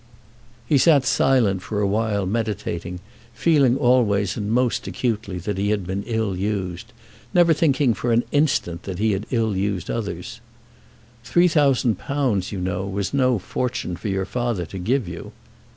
He sat silent for a while meditating, feeling always and most acutely that he had been ill used, never thinking for an instant that he had ill used others. "£3000, you know, was no fortune for your father to give you!"